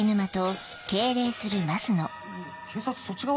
えっ警察そっち側？